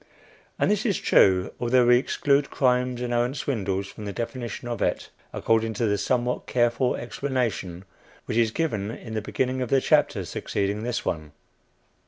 And this is true, although we exclude crimes and arrant swindles from the definition of it, according to the somewhat careful explanation which is given in the beginning of the chapter succeeding this one.